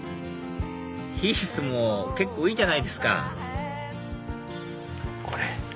「ひーす」も結構いいじゃないですかこれ。